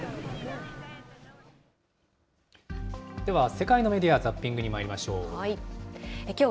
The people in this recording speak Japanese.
世界のメディア・ザッピングにまいりましょう。